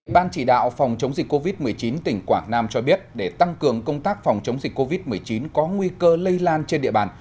ban chỉ đạo phòng chống dịch covid một mươi chín tỉnh quảng nam cho biết để tăng cường công tác phòng chống dịch covid một mươi chín có nguy cơ lây lan trên địa bàn